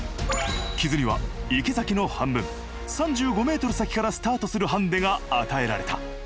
木津には池崎の半分３５ｍ先からスタートするハンデが与えられた。